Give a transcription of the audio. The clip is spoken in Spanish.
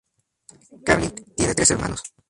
Carney tiene tres hermanos.